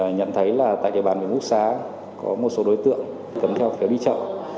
nhận thấy tại địa bàn miền úc xá có một số đối tượng cấm theo phiếu đi chợ